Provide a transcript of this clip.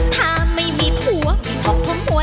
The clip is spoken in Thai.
ถ้าไม่มีผัวมีทองทงหัว